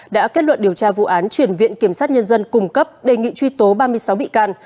đã kết luận điều tra vụ án chuyển viện kiểm sát nhân dân cung cấp đề nghị truy tố ba mươi sáu bị can